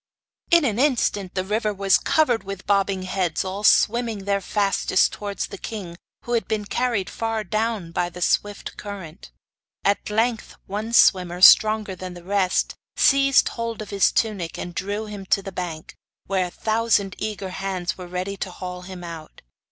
In an instant the river was covered with bobbing heads all swimming their fastest towards the king, who had been carried far down by the swift current. At length one swimmer, stronger than the rest, seized hold of his tunic, and drew him to the bank, where a thousand eager hands were ready to haul him out.